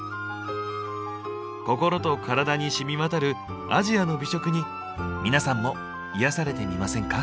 心とカラダにしみわたるアジアの美食に皆さんも癒やされてみませんか？